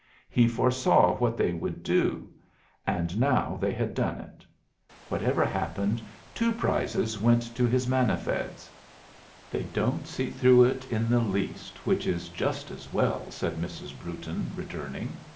He foresaw what they would do; and now they had done it. Whatever happened, two prizes went to his manna feds. "They don't see through it in the least, which is just as well," said Mrs. Brewton, returning.